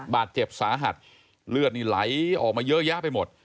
บาดเจ็บสาหัสเลือดนี่ไหลออกมาเยอะแยะไปหมด